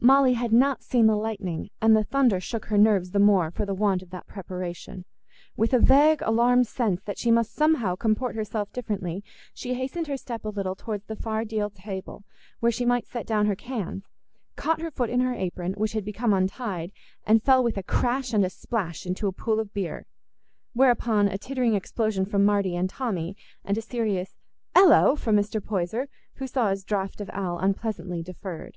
Molly had not seen the lightning, and the thunder shook her nerves the more for the want of that preparation. With a vague alarmed sense that she must somehow comport herself differently, she hastened her step a little towards the far deal table, where she might set down her cans—caught her foot in her apron, which had become untied, and fell with a crash and a splash into a pool of beer; whereupon a tittering explosion from Marty and Tommy, and a serious "Ello!" from Mr. Poyser, who saw his draught of ale unpleasantly deferred.